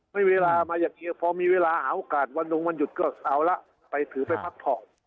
ไม่มีเวลามาอย่างเดียวพอมีเวลาหาโอกาสวันลงวันหยุดก็เอาละไปถือไปพักผ่อน